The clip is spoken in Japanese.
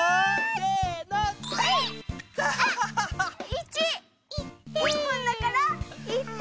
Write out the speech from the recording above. １本だから１点。